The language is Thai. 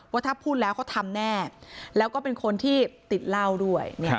ว่าถ้าพูดแล้วเขาทำแน่แล้วก็เป็นคนที่ติดเหล้าด้วย